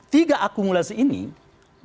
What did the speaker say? tiga akumulasi ini oke